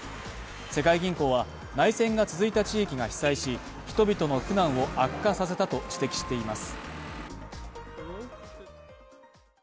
世界銀行は、内戦が続いた地域が被災し人々の苦難を悪化させたと指摘しています。